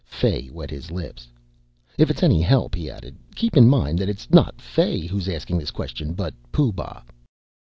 Fay wet his lips. "If it's any help," he added, "keep in mind that it's not Fay who's asking this question, but Pooh Bah."